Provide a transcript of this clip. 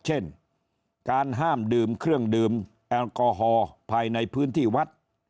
เช่นการห้ามดื่มเครื่องดื่มแอลกอฮอล์ภายในพื้นที่วัด